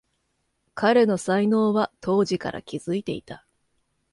彼の才能は当時から気づいていた